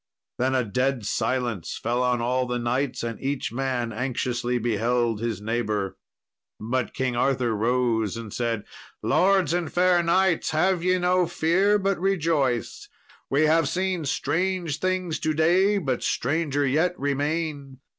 Then a dead silence fell on all the knights, and each man anxiously beheld his neighbour. But King Arthur rose and said, "Lords and fair knights, have ye no fear, but rejoice; we have seen strange things to day, but stranger yet remain.